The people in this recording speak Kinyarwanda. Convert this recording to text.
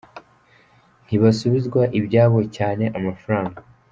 ntibasubizwa ibyabo cyane amafaranga.